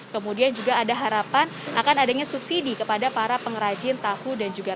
kemudian juga ada harapan akan adanya subsidi kepada para pengrajin tahu dan juga